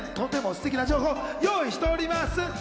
とてもステキな情報を用意しております。